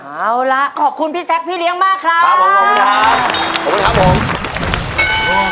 เอาล่ะขอบคุณพี่แซคพี่เลี้ยงมากครับขอบคุณครับขอบคุณครับผม